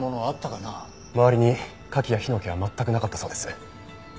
周りに火器や火の気は全くなかったそうです。